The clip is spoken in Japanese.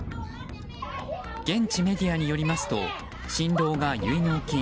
現地メディアによりますと新郎が結納金